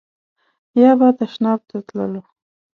یا به تشناب ته تللو.